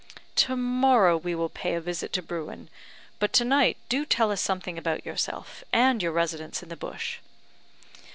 "To morrow we will pay a visit to Bruin; but tonight do tell us something about yourself, and your residence in the bush."